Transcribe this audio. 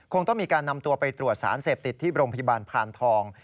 ต้องมีการนำตัวไปตรวจสารเสพติดที่โรงพยาบาลพานทอง